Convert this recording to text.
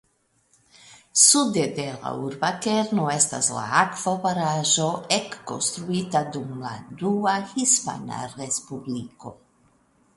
Sude de la urba kerno estas la akvobaraĵo ekkonstruita dum la Dua Hispana Respubliko.